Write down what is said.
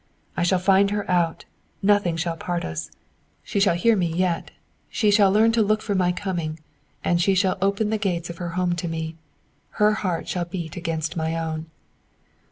"I shall find her out; nothing shall part us; she shall hear me yet; she shall learn to look for my coming, and she shall open the gates of her home to me. Her heart shall beat against my own."